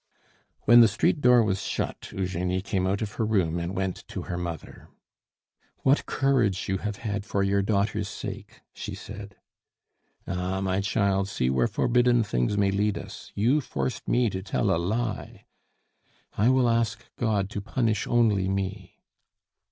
When the street door was shut, Eugenie came out of her room and went to her mother. "What courage you have had for your daughter's sake!" she said. "Ah! my child, see where forbidden things may lead us. You forced me to tell a lie." "I will ask God to punish only me."